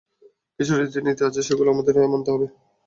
কিছু রীতিনীতি আছে সেগুলো আমাদের মানতে হবে।